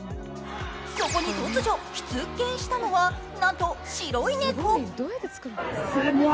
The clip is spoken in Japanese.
そこに突如、出現したのはなんと白い猫。